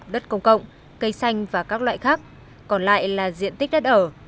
đất công cộng cây xanh và các loại khác còn lại là diện tích đất ở